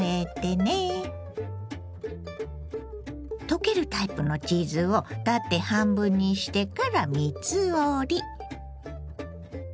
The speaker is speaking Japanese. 溶けるタイプのチーズを縦半分にしてから３つ折り。